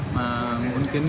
mà muốn trả tiền